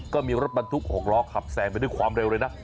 ก็มีรถบรรทุก๖ล้อขับแสงไปด้วยความเร็วเลยนะ